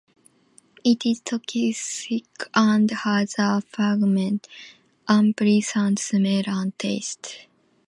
It is toxic and has a pungent, unpleasant smell and taste.